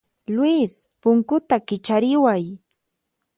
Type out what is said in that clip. Luis, punkuta kichariway.